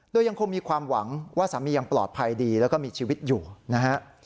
โดยยังคงมีความหวังว่าสามียังปลอดภัยดีแล้วก็มีชีวิตอยู่นะฮะ